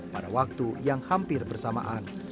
pada waktu yang hampir bersamaan